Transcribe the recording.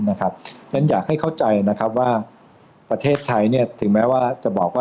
ฉันอยากให้เข้าใจว่าประเทศไทยถึงแม้จะบอกว่า